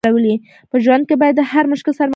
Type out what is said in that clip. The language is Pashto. په ژوند کښي باید د هر مشکل سره مقاومت وکو.